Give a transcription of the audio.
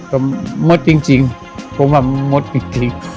ก็มดจริงผมว่าหมดจริง